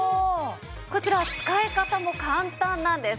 こちら使い方も簡単なんです。